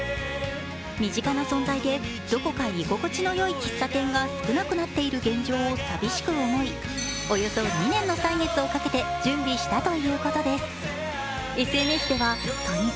身近な存在でどこか居心地のいい喫茶店が少なくなっている現状を寂しく思い、およそ２年の歳月をかけて準備したということです。